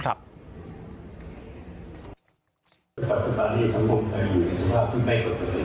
คือการให้ศวที่มาจากการแต่งตั้ง